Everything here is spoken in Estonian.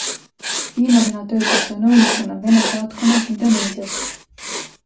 Viimasena töötas ta nõunikuna Vene saatkonnas Indoneesias.